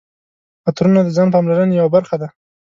عطرونه د ځان پاملرنې یوه برخه ده.